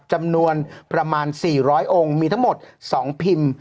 จำนวนประมาณ๔๐๐องค์มีทั้งหมด๒พิมพ์